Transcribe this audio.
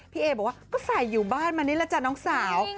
เอบอกว่าก็ใส่อยู่บ้านมานี่แหละจ้ะน้องสาว